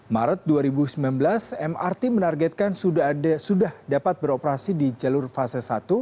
maret dua ribu sembilan belas mrt menargetkan sudah dapat beroperasi di jalur fase satu